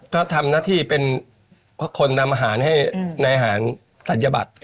ก็ทำหน้าที่เป็นคนนำอาหารให้ในอาหารศัลยบัตร